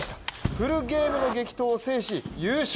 フルゲームの激闘を制し優勝。